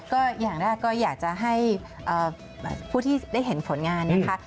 ก็อย่างแรกก็อยากจะให้ผู้ที่ได้เห็นผลงานนะคะ